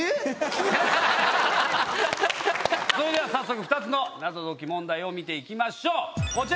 早速２つの謎解き問題を見て行きましょう。